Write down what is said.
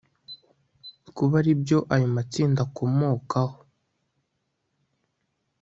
kuba ari byo ayo matsinda akomokaho